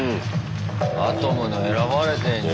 アトムの選ばれてんじゃん。